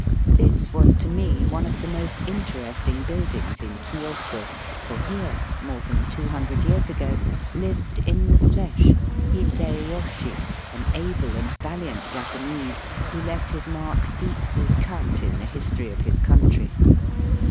This was to me one of the most in teresting buildings in Kioto, for here, more than two hundred years ago, lived in the flesh Hideyoshi, an able and vaUant Japanese, who left his mark deeply cut in the history of his country.